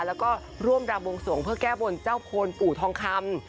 แล้วก็ร่วมรำวงสวงเพื่อแก้บนเจ้าโพนปู่ทองคำ